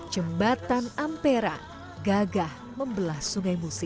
jembatan ampera gagah membelah sungai musi